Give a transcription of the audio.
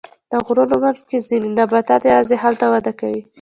د غرونو منځ کې ځینې نباتات یوازې هلته وده کوي.